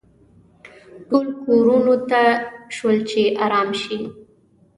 ټول کورونو ته شول چې ارام شي.